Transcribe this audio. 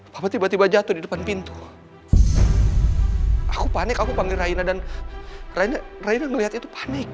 papa tiba tiba jatuh di depan pintu